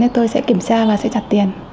thì tôi sẽ kiểm tra và sẽ trả tiền